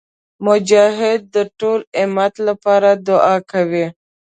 مجاهد د ټول امت لپاره دعا کوي.